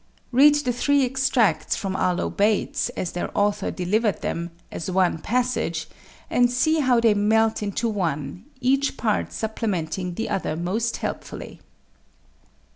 Read the three extracts from Arlo Bates as their author delivered them, as one passage, and see how they melt into one, each part supplementing the other most helpfully.